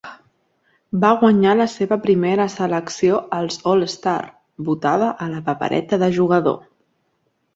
Va guanyar la seva primera selecció als All-Star, votada a la Papereta de Jugador.